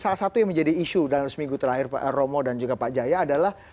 salah satu yang menjadi isu dalam seminggu terakhir pak romo dan juga pak jaya adalah